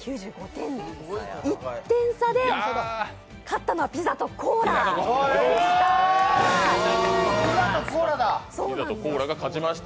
１点差で勝ったのはピザとコーラでした！